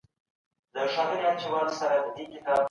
په وزارتونو کي باید د فساد پر وړاندي کلک هوډ موجود وي.